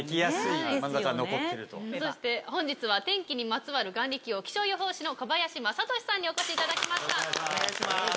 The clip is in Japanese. そして本日は天気にまつわる眼力王気象予報士の小林正寿さんにお越しいただきました。